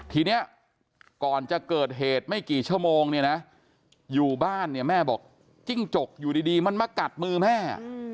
ทีนี้ก่อนจะเกิดเหตุไม่กี่ชั่วโมงเนี่ยนะอยู่บ้านเนี่ยแม่บอกจิ้งจกอยู่ดีมันมากัดมือแม่